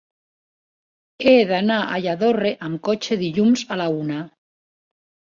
He d'anar a Lladorre amb cotxe dilluns a la una.